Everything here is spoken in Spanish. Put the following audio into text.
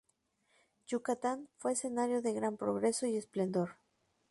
Yucatán fue escenario de gran progreso y esplendor.